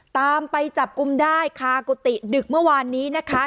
ตามไปจับกลุ่มได้คากุฏิดึกเมื่อวานนี้นะคะ